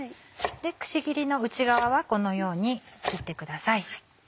くし切りの内側はこのように切ってください。